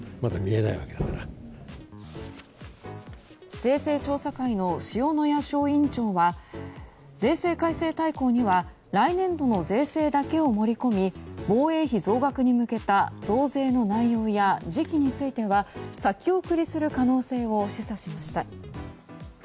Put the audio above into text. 税制調査会の塩谷小委員長は税制改正大綱には来年度の税制だけを盛り込み防衛費増額に向けた増税の内容や時期については先送りする可能性を示唆しました。